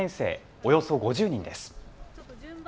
およそ５０人です。